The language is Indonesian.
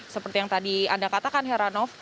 seperti yang tadi anda katakan heranov